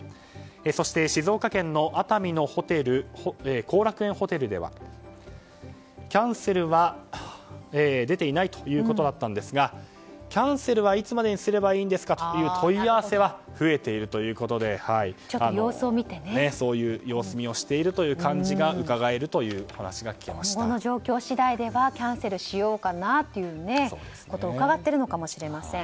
そして静岡県の熱海のホテル後楽園ホテルではキャンセルは出ていないということだったんですがキャンセルは、いつまでにすればいいんですかという問い合わせは増えているということで様子見をしている感じがするという今後の状況次第ではキャンセルしようかなということをうかがっているのかもしれません。